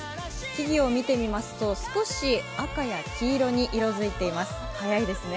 木々を見てみますと少し赤や黄色に色づいていますね。